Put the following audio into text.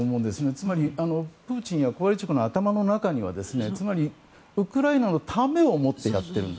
つまり、プーチン大統領やコバルチュクの頭の中にはウクライナのためを思ってやっているんだ。